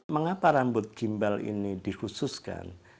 mengapa rambut gimbal ini dikhususkan